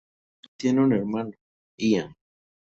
Tiene un hermano, Ian.